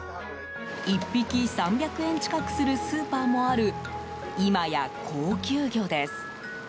１匹３００円近くするスーパーもある今や高級魚です。